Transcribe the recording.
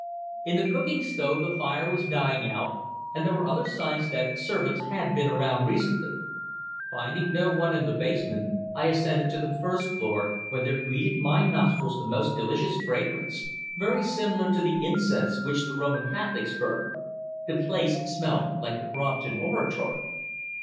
In the cooking stove the fire was dying out, and there were other signs that servants had been about recently. Finding no one in the basement I ascended to the first floor, when there greeted my nostrils a most delicious fragrance, very similar to the incense which the Roman Catholics burn. The place smelt like the Brompton Oratory."